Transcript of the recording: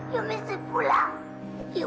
you mesti pulang